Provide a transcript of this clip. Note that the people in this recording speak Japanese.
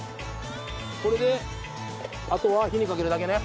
これであとは火にかけるだけね。